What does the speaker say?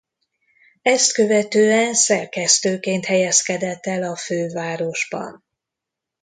Ezt követően szerkesztőként helyezkedett el a fővárosban.